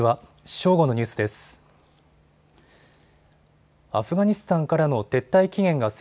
正午のニュースです。